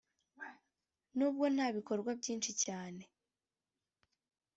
n’ubwo nta bikorwa byinshi cyane